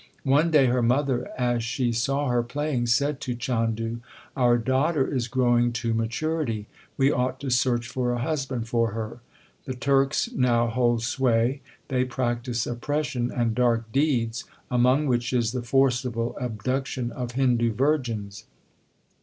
One day her mother, as she saw her playing, said to Chandu : Our daughter is growing to maturity. We ought to search for a husband for her. The Turks now hold sway. They practise oppression and dark deeds, among which is the LIFE OF GURU ARJAN 71 forcible abduction of Hindu virgins.